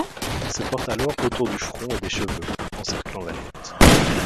Il se porte alors autour du front et des cheveux, encerclant la tête.